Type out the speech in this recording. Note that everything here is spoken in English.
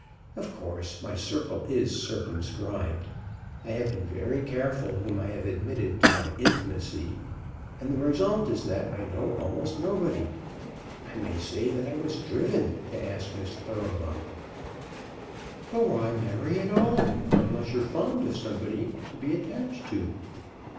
Of course my circle is circumscribed. I have been very careful whom I have admitted to my intimacy, and the result is that I know almost nobody. I may say that I was driven to ask Miss Thoroughbung." "But why marry at all unless you're fond of somebody to be attached to?"